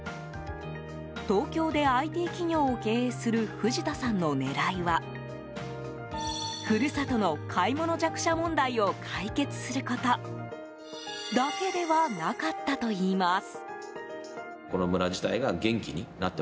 東京でＩＴ企業を経営する藤田さんの狙いは故郷の買い物弱者問題を解決することだけではなかったといいます。